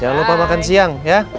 jangan lupa makan siang ya